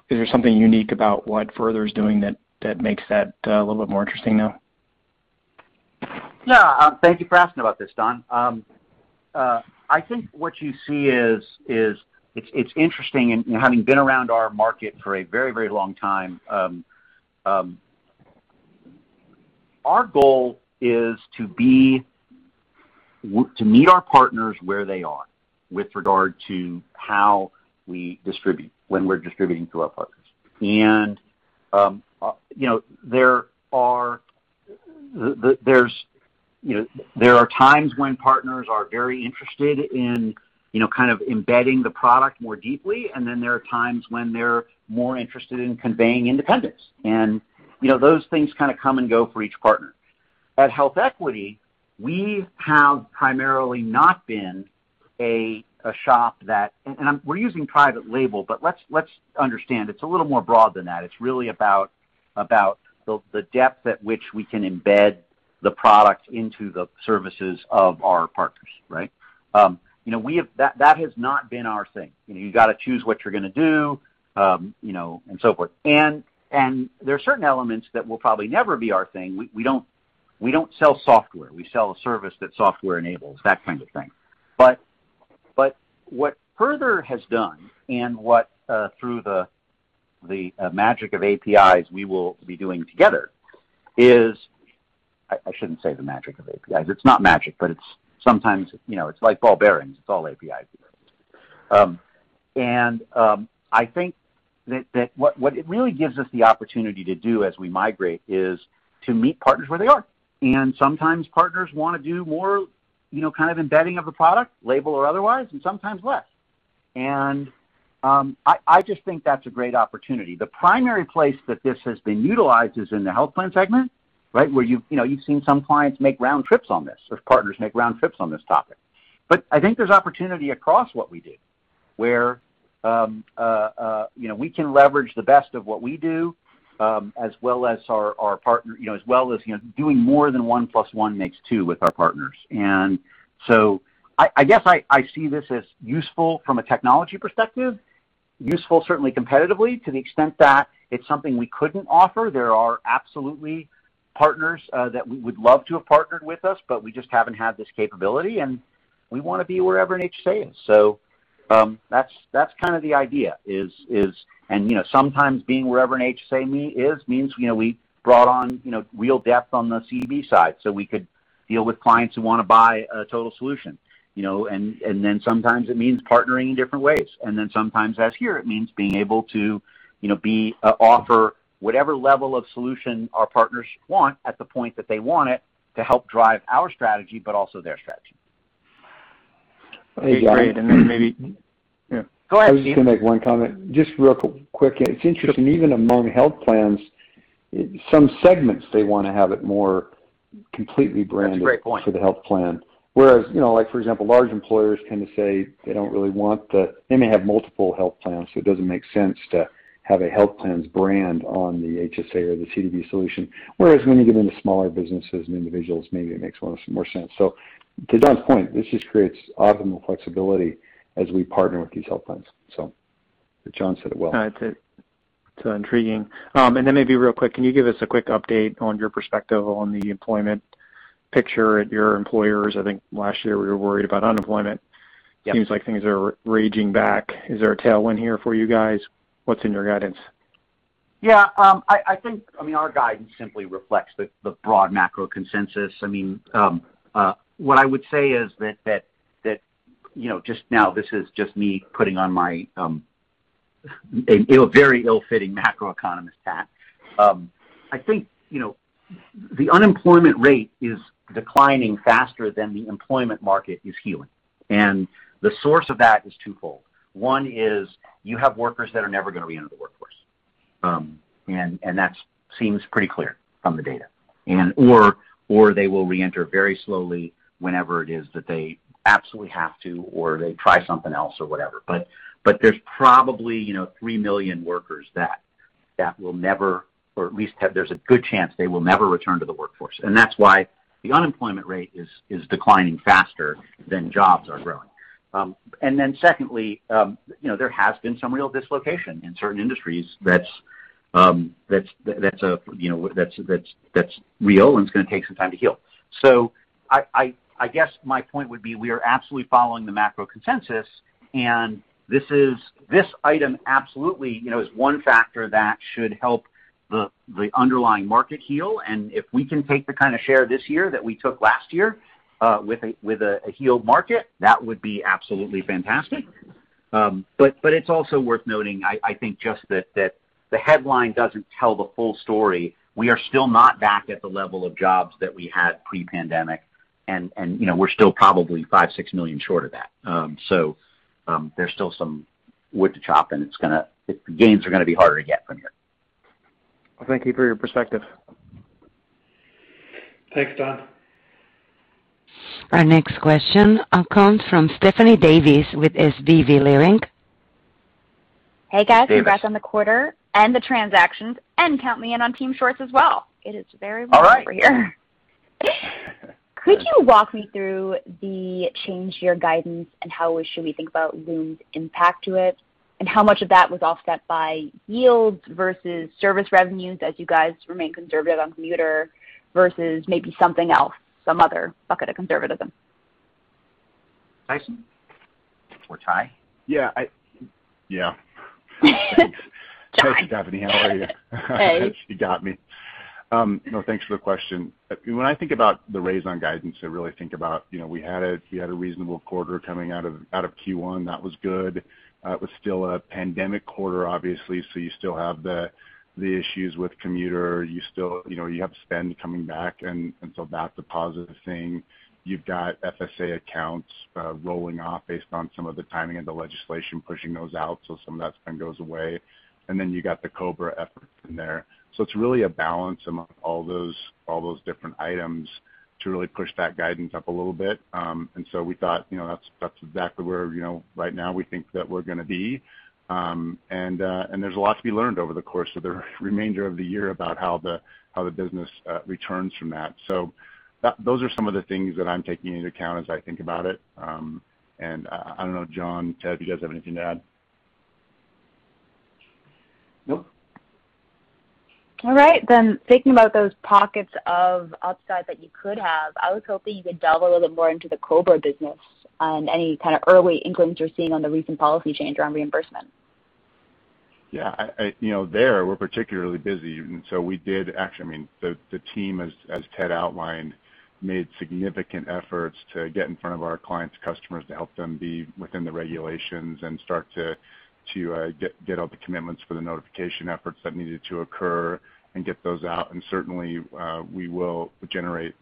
Is there something unique about what Further is doing that makes that a little bit more interesting now? Yeah. Thank you for asking about this, Don. I think what you see is, it's interesting, and having been around our market for a very long time, our goal is to meet our partners where they are with regard to how we distribute when we're distributing to our partners. There are times when partners are very interested in kind of embedding the product more deeply, and then there are times when they're more interested in conveying independence. Those things kind of come and go for each partner. At HealthEquity, we have primarily not been a shop that, and we're using private label, but let's understand, it's a little more broad than that. It's really about the depth at which we can embed the product into the services of our partners, right? That has not been our thing. You got to choose what you're going to do, and so forth. There are certain elements that will probably never be our thing. We don't sell software. We sell a service that software enables, that kind of thing. What Further has done and what, through the magic of APIs, we will be doing together is I shouldn't say the magic of APIs. It's not magic, but it's like ball bearings. It's all API driven. I think that what it really gives us the opportunity to do as we migrate is to meet partners where they are. Sometimes partners want to do more kind of embedding of the product, label or otherwise, and sometimes less. I just think that's a great opportunity. The primary place that this has been utilized is in the health plan segment, right? Where you've seen some clients make round trips on this, or partners make round trips on this topic. I think there's opportunity across what we do, where we can leverage the best of what we do, as well as doing more than one plus one makes two with our partners. I guess I see this as useful from a technology perspective, useful certainly competitively to the extent that it's something we couldn't offer. There are absolutely partners that we would love to have partnered with us, but we just haven't had this capability, and we want to be wherever an HSA is. That's kind of the idea is, and sometimes being wherever an HSA is means we brought on real depth on the CDB side, so we could deal with clients who want to buy a total solution. Sometimes it means partnering in different ways. Sometimes as here, it means being able to offer whatever level of solution our partners want at the point that they want it to help drive our strategy, but also their strategy. Great. Go ahead, Steve. I was just going to make one comment, just real quick. It's interesting, even among health plans, some segments, they want to have it more completely branded. That's a great point for the health plan. Whereas, for example, large employers tend to say they don't really want They may have multiple health plans, so it doesn't make sense to have a health plan's brand on the HSA or the CDB solution. Whereas when you get into smaller businesses and individuals, maybe it makes more sense. To Jon's point, this just creates optimal flexibility as we partner with these health plans. Jon said it well. It's intriguing. Then maybe real quick, can you give us a quick update on your perspective on the employment picture at your employers? I think last year we were worried about unemployment. Yep. Seems like things are raging back. Is there a tailwind here for you guys? What's in your guidance? Yeah, I think our guidance simply reflects the broad macro consensus. What I would say is that just now, this is just me putting on my very ill-fitting macroeconomist hat. I think the unemployment rate is declining faster than the employment market is healing, and the source of that is twofold. One is you have workers that are never going to reenter the workforce, and that seems pretty clear from the data. They will reenter very slowly whenever it is that they absolutely have to, or they try something else or whatever. There's probably 3 million workers that will never, or at least there's a good chance they will never return to the workforce. That's why the unemployment rate is declining faster than jobs are growing. Secondly, there has been some real dislocation in certain industries that's real, and it's going to take some time to heal. I guess my point would be we are absolutely following the macro consensus, and this item absolutely is one factor that should help the underlying market heal. If we can take the kind of share this year that we took last year, with a healed market, that would be absolutely fantastic. It's also worth noting, I think, just that the headline doesn't tell the full story. We are still not back at the level of jobs that we had pre-pandemic, and we're still probably five, six million short of that. There's still some wood to chop, and the gains are going to be harder to get from here. Well, thank you for your perspective. Thanks, Jon. Our next question comes from Stephanie Davis with SVB Leerink. Hey, guys. Congrats on the quarter and the transactions. Count me in on Team Shorts as well. It is very much here. All right. Could you walk me through the change to your guidance and how we should be thinking about the impact to it, and how much of that was offset by yields versus service revenues as you guys remain conservative on commuter versus maybe something else, some other bucket of conservatism? Tyson or Ty? Yeah. Sure, Stephanie, how are you? Hey. She got me. No, thanks for the question. When I think about the raise on guidance, I really think about, we had a reasonable quarter coming out of Q1. That was good. It was still a pandemic quarter, obviously, so you still have the issues with commuter. You have spend coming back, that's a positive thing. You've got FSA accounts rolling off based on some of the timing of the legislation pushing those out, so some of that spend goes away. You've got the COBRA efforts in there. It's really a balance among all those different items to really push that guidance up a little bit. We thought that's exactly where right now we think that we're going to be. There's a lot to be learned over the course of the remainder of the year about how the business returns from that. Those are some of the things that I'm taking into account as I think about it. I don't know, Jon, Ted, if you guys have anything to add. Nope. All right. Thinking about those pockets of upside that you could have, I was hoping you could dive a little more into the COBRA business on any kind of early increments you're seeing on the recent policy change around reimbursement. Yeah. There, we're particularly busy. We did, actually, the team, as Ted outlined, made significant efforts to get in front of our clients' customers to help them be within the regulations and start to get all the commitments for the notification efforts that needed to occur and get those out. Certainly, we will generate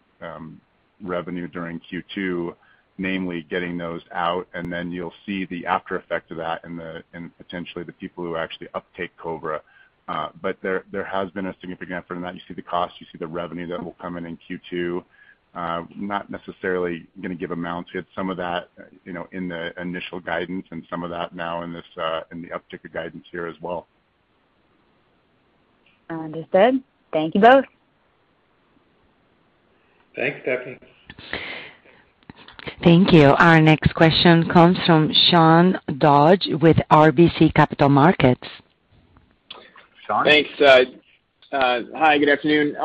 revenue during Q2, namely getting those out, and then you'll see the aftereffect of that and potentially the people who actually uptake COBRA. There has been a significant amount. You see the cost, you see the revenue that will come in in Q2. Not necessarily going to give amounts yet. Some of that in the initial guidance and some of that now in the upticked guidance here as well. Understood. Thank you both. Thanks, Stephanie. Thank you. Our next question comes from Sean Dodge with RBC Capital Markets. Sean. Thanks, guys. Hi, good afternoon.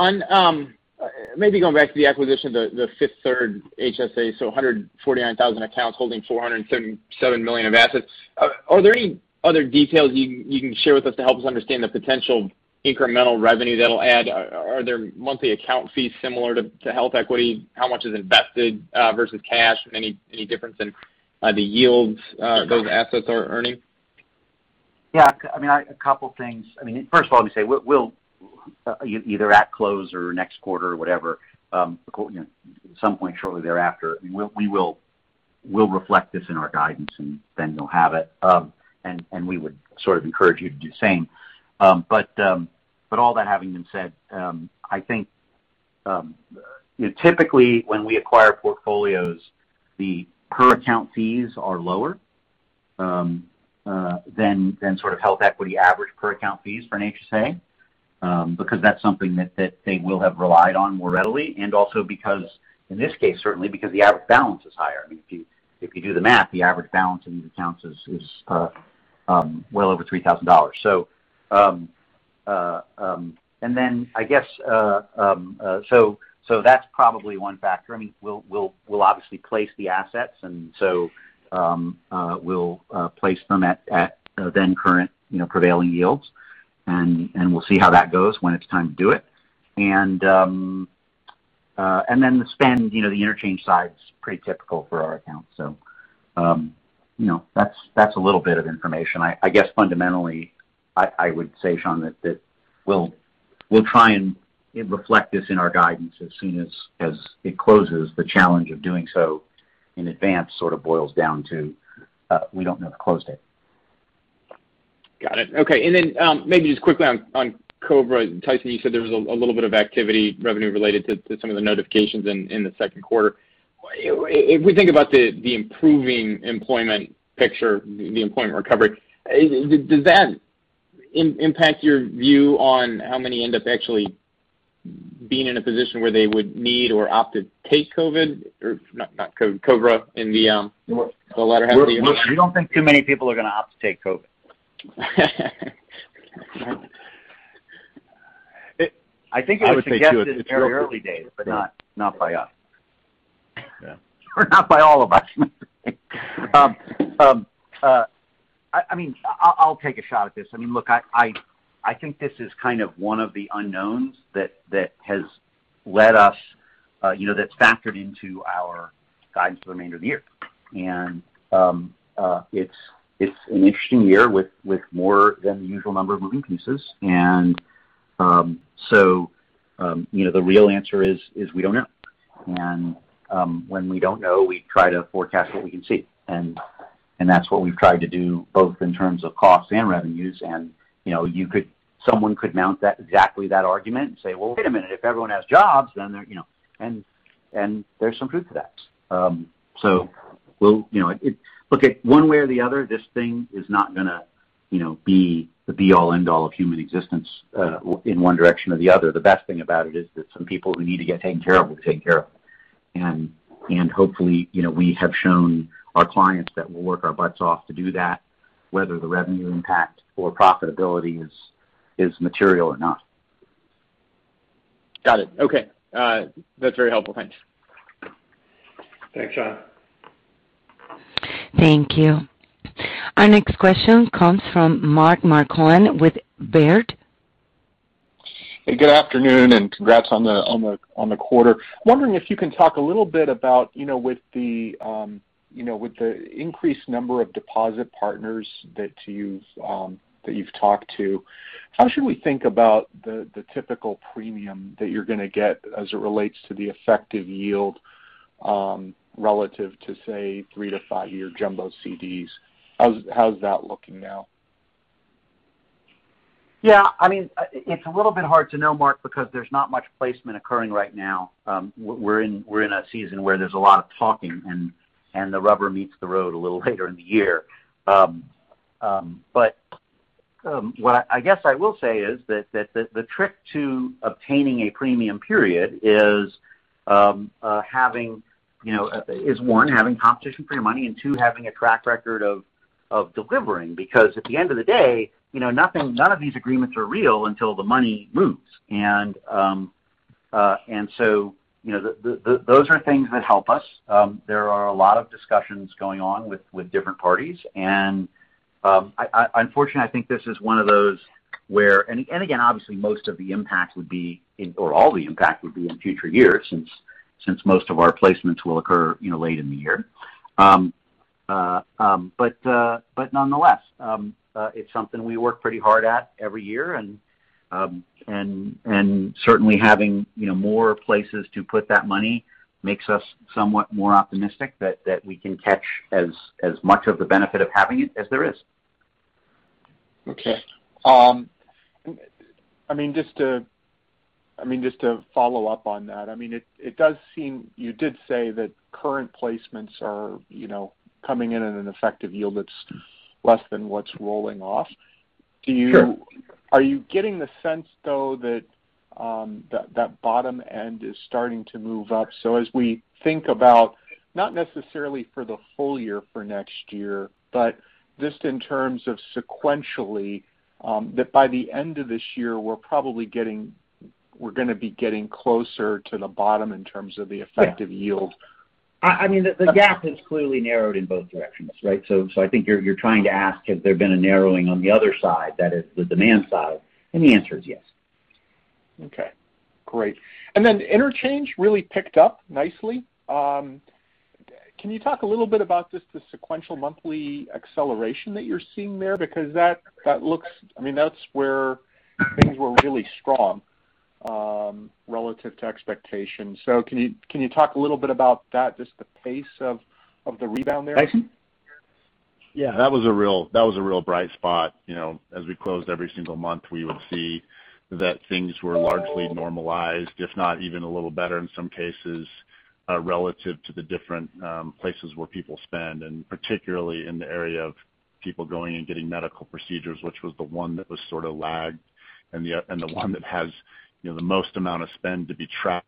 Maybe going back to the acquisition of the Fifth Third HSA, 149,000 accounts holding $477 million of assets. Are there any other details you can share with us to help us understand the potential incremental revenue that'll add? Are there monthly account fees similar to HealthEquity? How much is invested versus cash? Any difference in the yields those assets are earning? A couple of things. First of all, we say we'll, either at close or next quarter, whatever, at some point shortly thereafter, we'll reflect this in our guidance, and then you'll have it. We would sort of encourage you to do the same. All that having been said, I think, typically, when we acquire portfolios, the per account fees are lower than sort of HealthEquity average per account fees for an HSA, because that's something that they will have relied on more readily, and also because, in this case, certainly because the average balance is higher. If you do the math, the average balance in these accounts is well over $3,000. That's probably one factor. We'll obviously place the assets, we'll place them at then-current prevailing yields, and we'll see how that goes when it's time to do it. The spend, the interchange side is pretty typical for our accounts. That's a little bit of information. I guess fundamentally, I would say, Sean, that we'll try and reflect this in our guidance as soon as it closes. The challenge of doing so in advance sort of boils down to we don't know the close date. Got it. Okay, maybe just quickly on COBRA. Tyson, you said there was a little bit of activity, revenue related to some of the notifications in the second quarter. If we think about the improving employment picture, the employment recovery, does that impact your view on how many end up actually being in a position where they would need or opt to take COBRA in the latter half of the year? Look, I don't think too many people are going to opt to take COVID. I think I suggested it early days, not by us. Not by all of us. I'll take a shot at this. Look, I think this is kind of one of the unknowns that factored into our guidance for the remainder of the year. It's an interesting year with more than the usual number of moving pieces. The real answer is we don't know. When we don't know, we try to forecast what we can see. That's what we've tried to do both in terms of costs and revenues. Someone could mount exactly that argument and say, "Well, wait a minute, if everyone has jobs, then" There's some truth to that. Look, one way or the other, this thing is not going to be the be-all end-all of human existence in one direction or the other. The best thing about it is that some people who need to get taken care of will get taken care of. Hopefully, we have shown our clients that we'll work our butts off to do that, whether the revenue impact or profitability is material or not. Got it. Okay. That's very helpful. Thanks. Thanks, Jon. Thank you. Our next question comes from Mark Marcon with Baird. Hey, good afternoon. Congrats on the quarter. Wondering if you can talk a little bit about with the increased number of deposit partners that you've talked to. How should we think about the typical premium that you're going to get as it relates to the effective yield relative to, say, three to five-year jumbo CDs? How's that looking now? It's a little bit hard to know, Mark, because there's not much placement occurring right now. We're in a season where there's a lot of talking, and the rubber meets the road a little later in the year. What I guess I will say is that the trick to obtaining a premium period is one, having competition for your money, and two, having a track record of delivering. Because at the end of the day, none of these agreements are real until the money moves. Those are things that help us. There are a lot of discussions going on with different parties. Unfortunately, I think this is one of those where again, obviously, most of the impact would be, or all the impact would be in future years since most of our placements will occur late in the year. Nonetheless, it's something we work pretty hard at every year. Certainly having more places to put that money makes us somewhat more optimistic that we can catch as much of the benefit of having it as there is. Okay. Just to follow up on that. It does seem you did say that current placements are coming in at an effective yield that's less than what's rolling off. Sure. Are you getting the sense, though, that that bottom end is starting to move up? As we think about, not necessarily for the full year for next year, but just in terms of sequentially, that by the end of this year, we're going to be getting closer to the bottom in terms of the effective yield. The gap has clearly narrowed in both directions, right? I think you're trying to ask, has there been a narrowing on the other side, that is the demand side? The answer is yes. Okay. Great. Interchange really picked up nicely. Can you talk a little bit about just the sequential monthly acceleration that you're seeing there? That's where things were really strong relative to expectations. Can you talk a little bit about that, just the pace of the rebound there? Tyson? Yeah. That was a real bright spot. As we closed every single month, we would see that things were largely normalized, if not even a little better in some cases, relative to the different places where people spend, and particularly in the area of people going and getting medical procedures, which was the one that was sort of lagged and the one that has the most amount of spend to be trapped.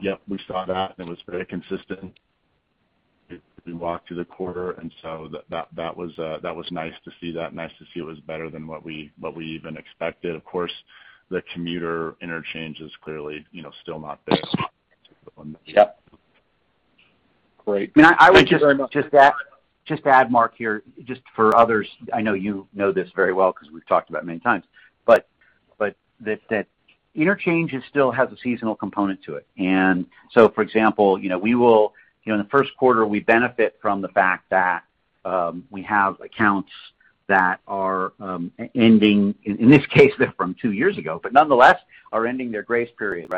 Yep, we saw that, and it was very consistent as we walked through the quarter. That was nice to see that. Nice to see it was better than what we even expected. Of course, the commuter interchange is clearly still not there. Yep. Great. Thank you very much. Just to add, Mark, here, just for others. I know you know this very well because we've talked about it many times. That interchange still has a seasonal component to it. For example, in the first quarter, we benefit from the fact that we have accounts that are ending, in this case, they're from two years ago, but nonetheless, are ending their grace period.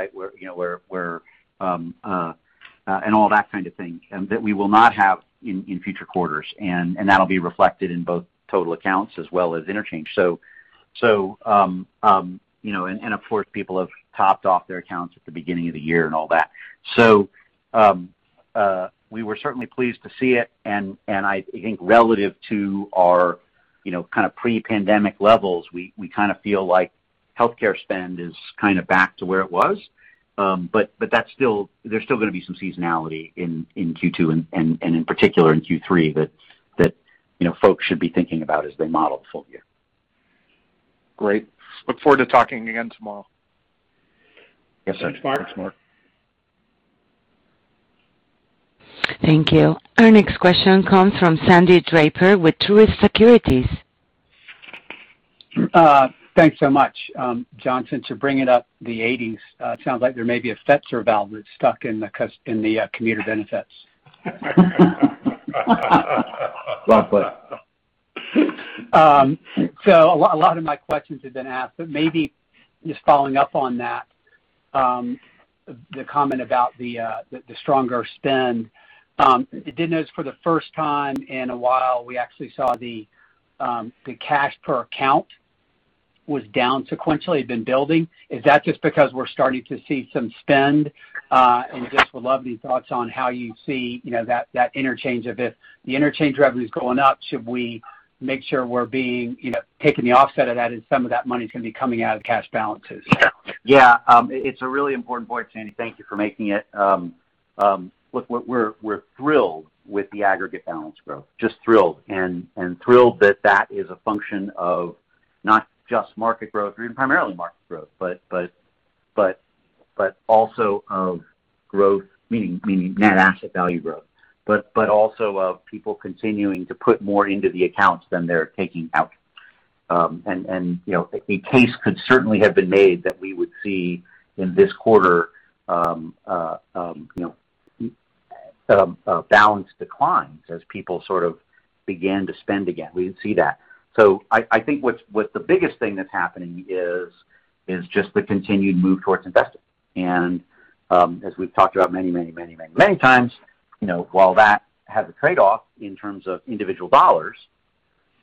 All that kind of thing that we will not have in future quarters. That'll be reflected in both total accounts as well as interchange. Of course, people have topped off their accounts at the beginning of the year and all that. We were certainly pleased to see it. I think relative to our pre-pandemic levels, we kind of feel like healthcare spend is kind of back to where it was. There's still going to be some seasonality in Q2, and in particular in Q3 that folks should be thinking about as they model the full year. Great. Look forward to talking again tomorrow. Yes, sir. Thanks, Mark. Thanks, Mark. Thank you. Our next question comes from Sandy Draper with Truist Securities. Thanks so much, Jon, since you're bringing up the 1980s, it sounds like there may be a Fetzer valve that's stuck in the commuter benefits. Well put. A lot of my questions have been asked, but maybe just following up on that, the comment about the stronger spend. I did notice for the first time in a while, we actually saw the cash per account was down sequentially then building. Is that just because we're starting to see some spend? Just would love your thoughts on how you see that interchange of if the interchange revenue's going up, should we make sure we're taking the offset of that and some of that money's going to be coming out of cash balances? It's a really important point, Sandy. Thank you for making it. Look, we're thrilled with the aggregate balance growth. Just thrilled. Thrilled that that is a function of not just market growth or even primarily market growth, but also of growth, meaning net asset value growth, but also of people continuing to put more into the accounts than they're taking out. A case could certainly have been made that we would see in this quarter a balance decline as people sort of began to spend again. We didn't see that. I think what the biggest thing that's happening is just the continued move towards investing. As we've talked about many times, while that has a trade-off in terms of individual dollars,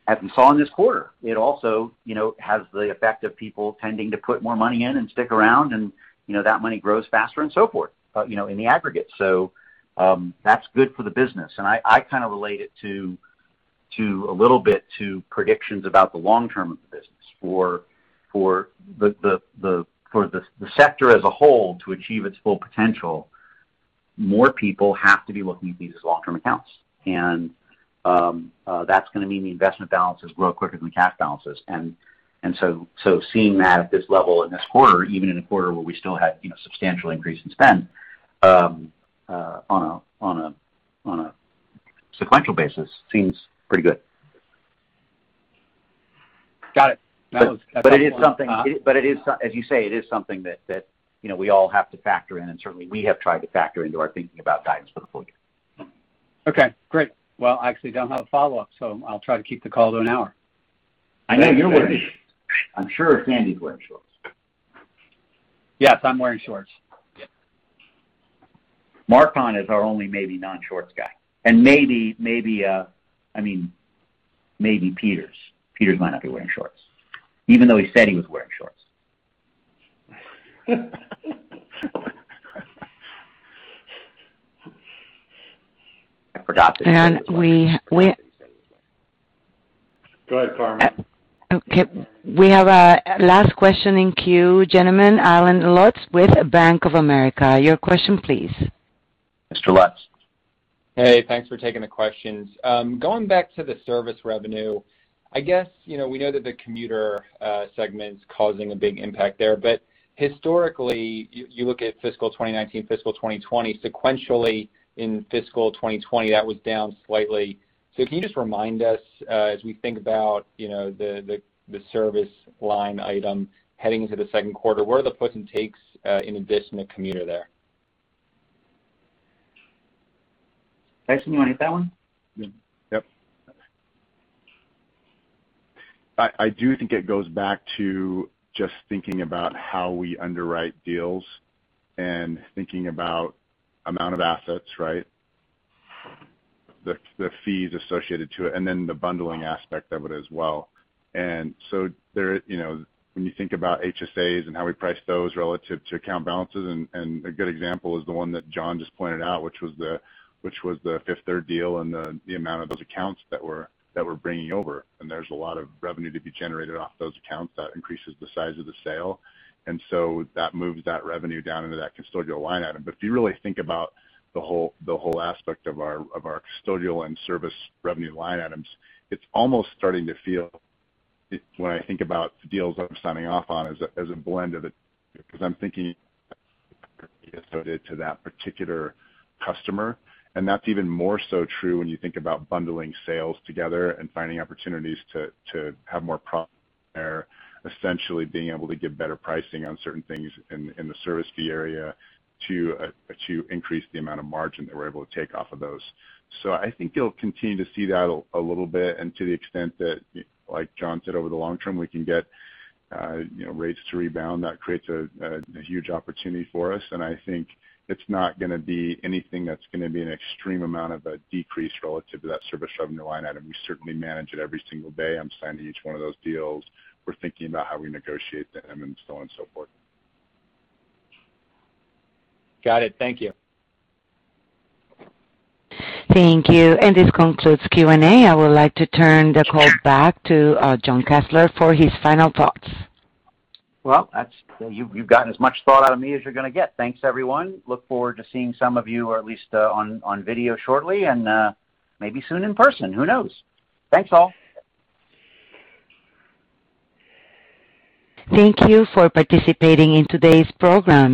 as we saw in this quarter, it also has the effect of people tending to put more money in and stick around, and that money grows faster and so forth in the aggregate. That's good for the business. I kind of relate it a little bit to predictions about the long-term of the business. For the sector as a whole to achieve its full potential, more people have to be what we view as long-term accounts. That's going to mean the investment balances grow quicker than the cash balances. Seeing that at this level in this quarter, even in a quarter where we still had a substantial increase in spend on a sequential basis seems pretty good. Got it. As you say, it is something that we all have to factor in, and certainly we have tried to factor into our thinking about guidance going forward. Okay, great. Well, I actually don't have a follow-up, so I'll try to keep the call to an hour. I know you're ready. I'm sure Sandy's wearing shorts. Yes, I'm wearing shorts. Mark Marcon is our only maybe non-shorts guy. Maybe Greg Peters. Greg Peters might not be wearing shorts, even though he said he was wearing shorts. I forgot. And we- Go ahead, Carmen. Okay. We have our last question in queue. Gentlemen, Allen Lutz with Bank of America. Your question please. Mr. Lutz. Hey, thanks for taking the questions. Going back to the service revenue, I guess, we know that the commuter segment's causing a big impact there. Historically, you look at fiscal 2019, fiscal 2020 sequentially in fiscal 2020, that was down slightly. Can you just remind us, as we think about the service line item heading into the second quarter, where are the gives and takes in addition to commuter there? Tyson, you want to take that one? Yep. I do think it goes back to just thinking about how we underwrite deals and thinking about amount of assets, right? The fees associated to it, the bundling aspect of it as well. When you think about HSAs and how we price those relative to account balances, a good example is the one that Jon just pointed out, which was the Fifth Third deal and the amount of those accounts that we're bringing over. There's a lot of revenue to be generated off those accounts that increases the size of the sale. That moves that revenue down into that custodial line item. If you really think about the whole aspect of our custodial and service revenue line items, it's almost starting to feel, when I think about the deals I'm signing off on, as a blend of it, because I'm thinking associated to that particular customer. That's even more so true when you think about bundling sales together and finding opportunities to have more profit there, essentially being able to get better pricing on certain things in the service fee area to increase the amount of margin that we're able to take off of those. I think you'll continue to see that a little bit, and to the extent that, like Jon said, over the long term, we can get rates to rebound. That creates a huge opportunity for us, and I think it's not going to be anything that's going to be an extreme amount of a decrease relative to that service revenue line item. We certainly manage it every single day. I'm signing each one of those deals. We're thinking about how we negotiate them and so on and so forth. Got it. Thank you. Thank you. This concludes Q&A. I would like to turn the call back to Jon Kessler for his final thoughts. Well, you've gotten as much thought out of me as you're going to get. Thanks, everyone. Look forward to seeing some of you at least on video shortly and maybe soon in person, who knows? Thanks all. Thank you for participating in today's program.